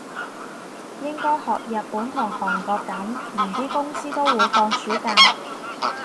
應該學日本同韓國噉，連啲公司都會放暑假